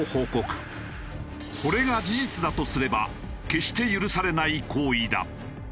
これが事実だとすれば決して許されない行為だ。